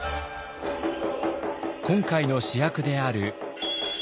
今回の主役である能。